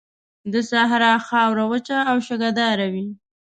د صحرا خاوره وچه او شګهداره وي.